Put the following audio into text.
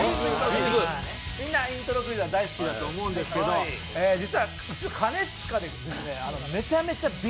みんなイントロクイズは大好きだと思うんですけど実は兼近はメチャメチャＢ